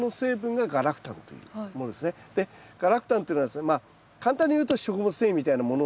でガラクタンというのはですねまあ簡単に言うと食物繊維みたいなもので。